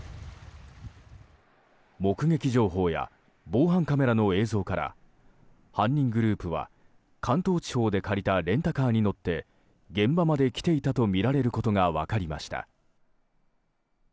目撃情報や防犯カメラの映像から犯人グループは関東地方で借りたレンタカーに乗って現場まで来ていたとみられることが分かりました。